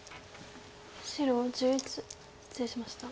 白失礼しました。